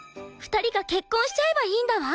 ２人が結婚しちゃえばいいんだわ！